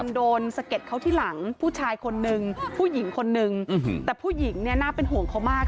มันโดนสะเก็ดเขาที่หลังผู้ชายคนนึงผู้หญิงคนนึงแต่ผู้หญิงเนี่ยน่าเป็นห่วงเขามาก